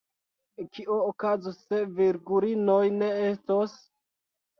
Kio okazos, se virgulinoj ne estos?